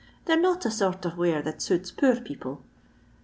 They re not a sort of wear that suits poor people.